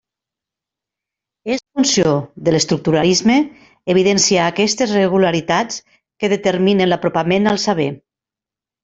És funció de l'estructuralisme evidenciar aquestes regularitats que determinen l'apropament al saber.